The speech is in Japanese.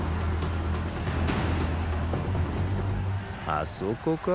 あそこか？